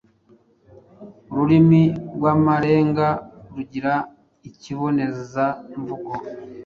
Ururimi rw’amarenga rugira ikibonezamvugo